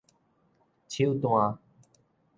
手段